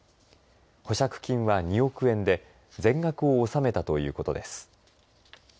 保釈金は２億円で全額を納めたということです。